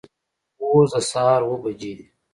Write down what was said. اوس د سهار اوه بجې دي